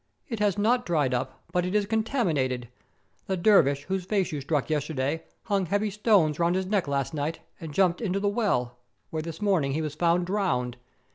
"It has not dried up, but it is contaminated. The der vish whose face you struck yesterday hung heavy stones round his neck last night and jumped into the well, where this morning he was found drowned.